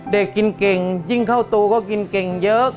กินเก่งยิ่งเข้าตูก็กินเก่งเยอะ